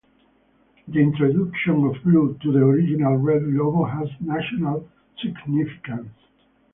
The introduction of blue to the original red logo has national significance.